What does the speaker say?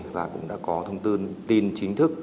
và cũng đã có thông tin chính thức